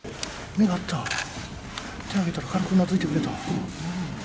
手を挙げたら軽くうなずいてくれた。